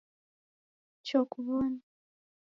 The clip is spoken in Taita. Choo kumw'one